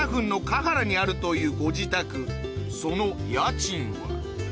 カハラにあるというご自宅その家賃は？